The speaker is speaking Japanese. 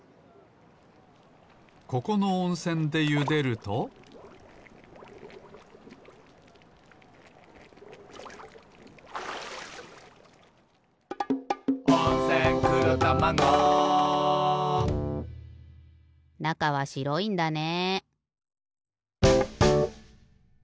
ここのおんせんでゆでると「温泉黒たまご」なかはしろいんだね。